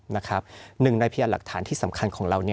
หนึ่งในพยานหลักฐานที่สำคัญของเรา